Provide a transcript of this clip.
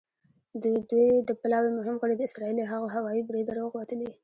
د دوی د پلاوي مهم غړي د اسرائیل له هغه هوايي بریده روغ وتلي.